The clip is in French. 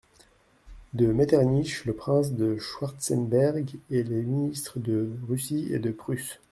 de Metternich, le prince de Schwartzenberg, et les ministres de Russie et de Prusse.